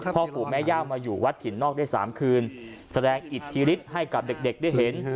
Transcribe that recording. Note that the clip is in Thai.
พ่อปู่แม่ย่ามาอยู่วัดถิ่นนอกได้๓คืนแสดงอิทธิฤทธิ์ให้กับเด็กได้เห็น